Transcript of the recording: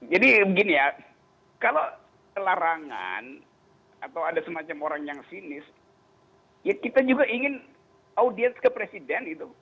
jadi begini ya kalau kelarangan atau ada semacam orang yang sinis ya kita juga ingin audiens ke presiden itu